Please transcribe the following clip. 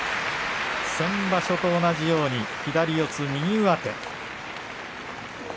先場所と同じように左四つ右上手。